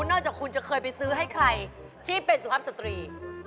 จากคุณจะเคยไปซื้อให้ใครที่เป็นสุภาพสตรี